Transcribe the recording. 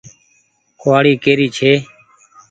ڪوُوآڙي ڪيري ڇي ۔